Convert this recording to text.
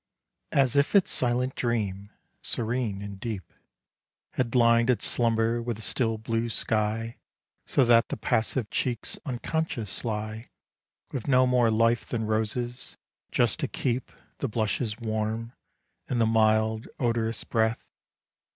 As if its silent dream, serene and deep, Had lined its slumber with a still blue sky So that the passive cheeks unconscious lie With no more life than roses just to keep The blushes warm, and the mild, odorous breath.